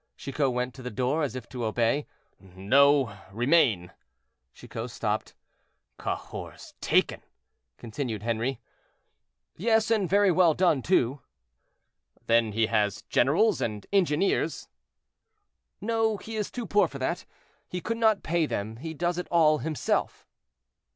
Chicot went to the door as if to obey. "No, remain." Chicot stopped. "Cahors taken!" continued Henri. "Yes, and very well done, too." "Then he has generals and engineers?" "No, he is too poor for that; he could not pay them; he does it all himself."